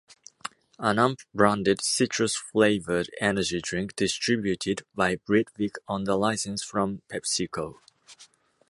An 'Amp' branded citrus-flavoured energy drink distributed by Britvic under license from PepsiCo.